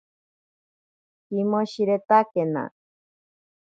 Kimoshiretakena.